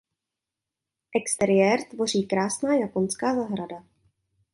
Exteriér tvoří krásná japonská zahrada.